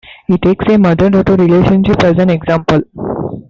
He takes a mother-daughter relationship as an example.